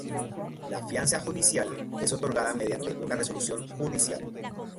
La fianza judicial es otorgada mediante una resolución judicial.